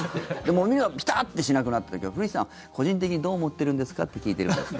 もうみんながピターッてしなくなったけど古市さんは個人的にどう思ってるんですかって聞いてるんです。